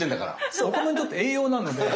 そうお米にとって栄養なので。